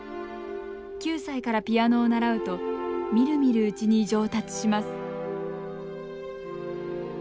９歳からピアノを習うとみるみるうちに上達します